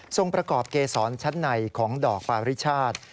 ทรงประกอบเกษรชั้นในของดอกปริศาสตร์